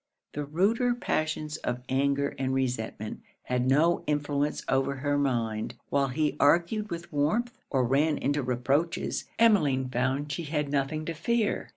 The ruder passions of anger and resentment had no influence over her mind. While he argued with warmth, or ran into reproaches, Emmeline found she had nothing to fear.